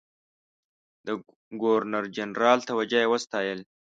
د ګورنرجنرال توجه یې وستایل.